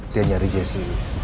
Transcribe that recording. dia nyari jessy